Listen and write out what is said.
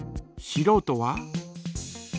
しろうとは？